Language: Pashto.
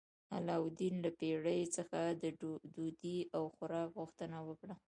علاوالدین له پیري څخه د ډوډۍ او خوراک غوښتنه وکړه.